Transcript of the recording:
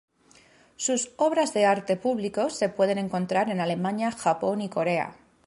Sus obras de arte público se pueden encontrar en Alemania, Japón y Corea.